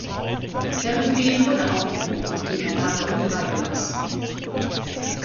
Der Befehl wurde aufgehoben und die Männer wurden freigelassen.